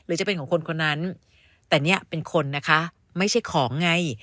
จะเป็นของคนคนนั้นแต่เนี่ยเป็นคนนะคะไม่ใช่ของไง